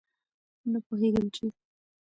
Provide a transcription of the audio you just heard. نه پوهېږم چې